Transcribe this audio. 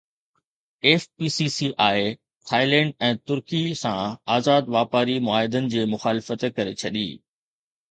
F P C C I Thailand ۽ ترڪي سان آزاد واپاري معاهدن جي مخالفت ڪري ڇڏي